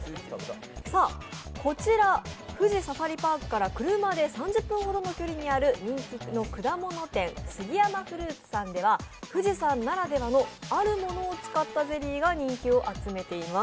こちら、富士サファリパークから車で３０分ほどにある人気の果物店ふぎやまフルーツさんでは、富士山ならではのあるものを使ったゼリーが人気を集めています。